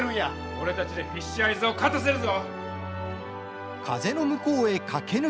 俺たちでフィッシュアイズを勝たせるぞ！